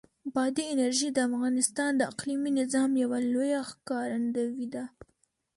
بادي انرژي د افغانستان د اقلیمي نظام یوه لویه ښکارندوی ده.